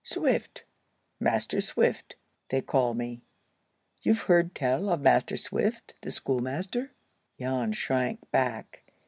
"Swift—Master Swift, they call me. You've heard tell of Master Swift, the schoolmaster?" Jan shrank back.